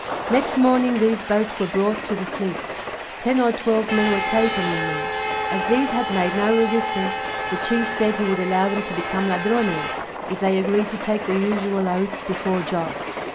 Next morning these boats were brought to the fleet; ten or twelve men were taken in them. As these had made no resistance, the chief said he would allow them to become Ladrones, if they agreed to take the usual oaths before Joss.